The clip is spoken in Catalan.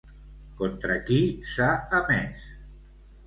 Contra qui s'ha emès?